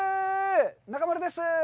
中丸です。